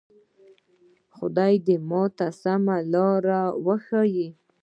خدایه ماته سمه لاره وښیه.